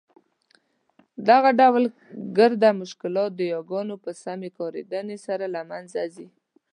دغه ډول ګرده مشکلات د یاګانو په سمي کارېدني سره له مینځه ځي.